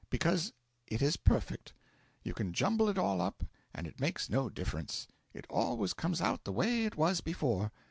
Because it is perfect. You can jumble it all up, and it makes no difference: it always comes out the way it was before.